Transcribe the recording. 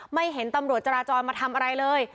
ไม่เห็นตำรวจจราจรมาทำอะไรเลย